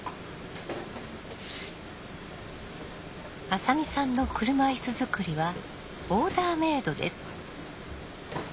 浅見さんの車いす作りはオーダーメードです。